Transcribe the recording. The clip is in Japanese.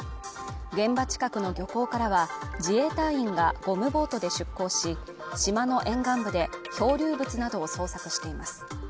現場近くの漁港からは自衛隊員がゴムボートで出港し、島の沿岸部で漂流物などを捜索しています。